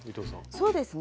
そうですね。